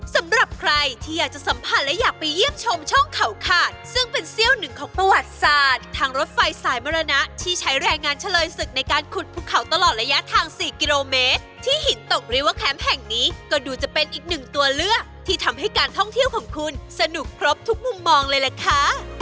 สำหรับใครที่อยากจะสัมผัสและอยากไปเยี่ยมชมช่องเขาขาดซึ่งเป็นเสี้ยวหนึ่งของประวัติศาสตร์ทางรถไฟสายมรณะที่ใช้แรงงานเฉลยศึกในการขุดภูเขาตลอดระยะทาง๔กิโลเมตรที่หินตกริว่าแคมป์แห่งนี้ก็ดูจะเป็นอีกหนึ่งตัวเลือกที่ทำให้การท่องเที่ยวของคุณสนุกครบทุกมุมมองเลยล่ะค่ะ